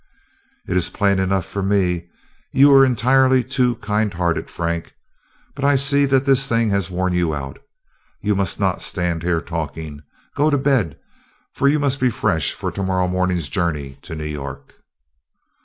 "It is plain enough for me. You are entirely too kind hearted, Frank. But I see that this thing has worn you out. You must not stand here talking. Go to bed, for you must be fresh for to morrow morning's journey to New York."